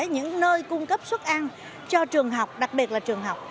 những nơi cung cấp xuất ăn cho trường học đặc biệt là trường học